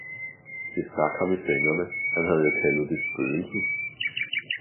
Det stak ham i fingrene, han havde jo kaldet det Spøgelset.